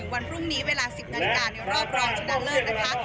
วันพรุ่งนี้เวลา๑๐นาทีบน้ำสวยเพื่อรอบรอบชีวิตชนะเลิก